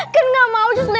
kan gak mau ustazah